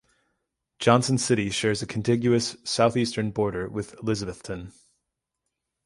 Johnson City shares a contiguous southeastern border with Elizabethton.